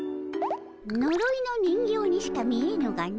のろいの人形にしか見えぬがの。